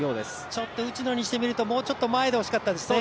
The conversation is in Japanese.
ちょっと内野にしてみるともうちょっと前で欲しかったですね。